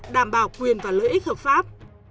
đảm bảo quyền và lợi ích hợp pháp